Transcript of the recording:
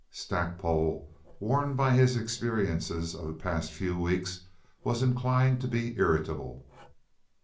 Stackpole, worn by his experiences of the past few weeks, was inclined to be irritable.